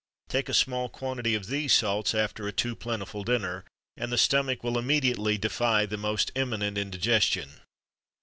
[XXIII 18] Take a small quantity of these salts after a too plentiful dinner; and the stomach will immediately defy the most imminent indigestion.